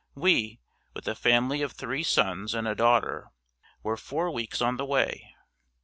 We, with a family of three sons and a daughter, were four weeks on the way.